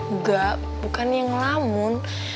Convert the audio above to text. enggak bukannya ngelamun